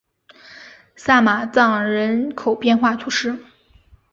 萨马藏人口变化图示